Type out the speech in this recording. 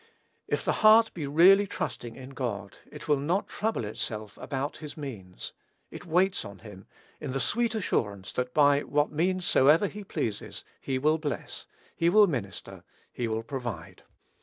If the heart be really trusting in God, it will not trouble itself about his means. It waits on him, in the sweet assurance that by what means soever he pleases, he will bless, he will minister, he will provide.